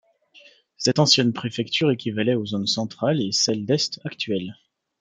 Cette ancienne préfecture équivalait aux zones centrale et celle d'est actuelles.